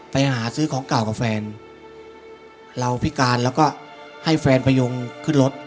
ไปหาซื้อของเก่ากับแฟนเราพิการแล้วก็ให้แฟนพยงขึ้นรถ